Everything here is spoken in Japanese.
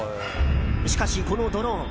しかし、このドローン。